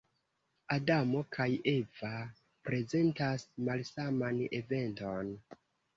Adamo kaj Eva prezentas malsaman eventon.